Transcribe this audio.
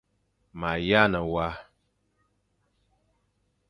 Ma yane wa.